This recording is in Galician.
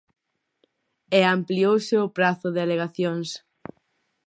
E ampliouse o prazo de alegacións.